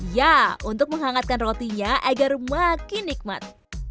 ya untuk menghangatkan rotinya agar makin nikmat